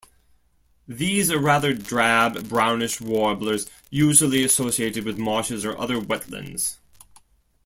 These are rather drab brownish warblers usually associated with marshes or other wetlands.